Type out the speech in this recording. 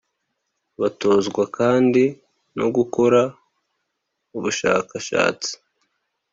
batozwa kandi no gukora ubushakashatsi,